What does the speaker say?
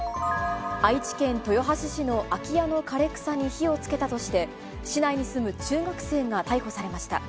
愛知県豊橋市の空き家の枯れ草に火をつけたとして、市内に住む中学生が逮捕されました。